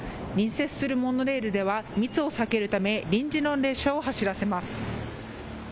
隣接するモノレールでは密を避けるため臨時の列車を走らせます。